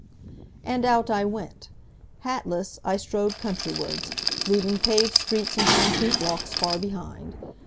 And out I went. Hatless, I strode countrywards, leaving paved streets and concrete walks far behind.